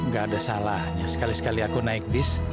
gak ada salahnya sekali sekali aku naik bis